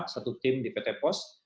satu tim di pt pos